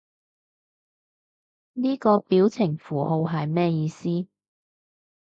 呢個表情符號係咩意思？